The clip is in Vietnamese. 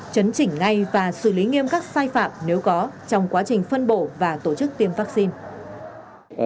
chấn chỉnh ngay và xử lý nghiêm các sai phạm nếu có trong quá trình phân bổ và tổ chức tiêm vaccine